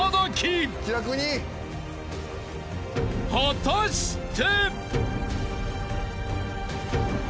［果たして？］